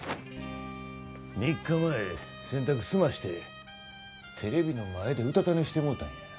３日前洗濯済ましてテレビの前でうたた寝してもうたんや。